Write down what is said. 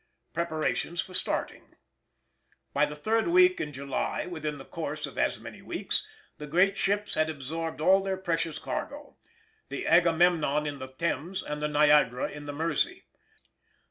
Preparations for Starting. By the third week in July (within the course of as many weeks) the great ships had absorbed all their precious cargo the Agamemnon in the Thames and the Niagara in the Mersey.